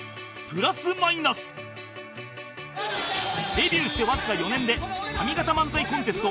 デビューしてわずか４年で上方漫才コンテスト